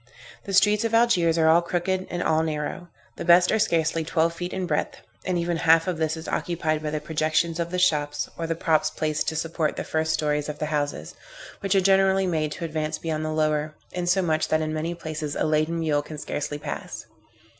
The streets of Algiers are all crooked, and all narrow. The best are scarcely twelve feet in breadth, and even half of this is occupied by the projections of the shops, or the props placed to support the first stories of the houses, which are generally made to advance beyond the lower, insomuch that in many places a laden mule can scarcely pass.